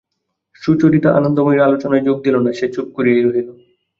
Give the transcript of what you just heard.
সুচরিতা আনন্দময়ীর আলোচনায় যোগ দিল না, সে চুপ করিয়াই রহিল।